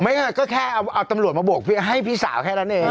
ก็แค่เอาตำรวจมาบวกให้พี่สาวแค่นั้นเอง